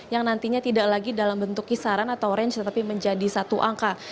yang nantinya tidak lagi dalam bentuk kisaran atau range tetapi menjadi satu angka